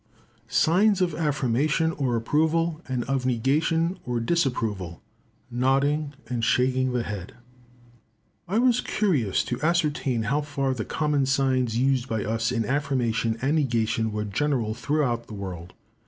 Signs of affirmation or approval, and of negation or disapproval: nodding and shaking the head.—I was curious to ascertain how far the common signs used by us in affirmation and negation were general throughout the world.